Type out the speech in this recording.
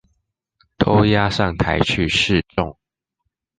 都押上台去示眾